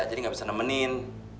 jadi gak bisa nemenin